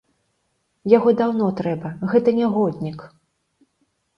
Яго даўно трэба, гэта нягоднік!